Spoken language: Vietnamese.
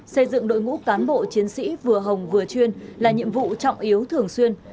xây dựng đội ngũ cán bộ chiến sĩ vừa hồng vừa chuyên là nhiệm vụ trọng yếu thường xuyên